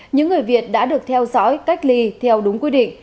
những người việt đã được theo dõi cách ly theo đúng quy định